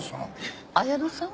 綾乃さん？